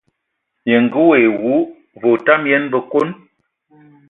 Ye ngə wayi wu, və otam yən bəkon.